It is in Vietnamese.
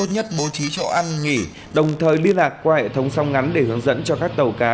nhất bố trí chỗ ăn nghỉ đồng thời liên lạc qua hệ thống sông ngắn để hướng dẫn cho các tàu cá